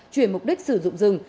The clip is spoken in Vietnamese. chuyển mục đích sử dụng rừng